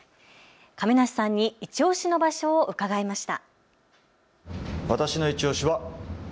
亀梨さんにいちオシの場所を伺いました。